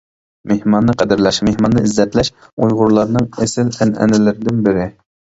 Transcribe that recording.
مېھماننى قەدىرلەش، مېھماننى ئىززەتلەش ئۇيغۇرلارنىڭ ئېسىل ئەنئەنىلىرىدىن بىرى.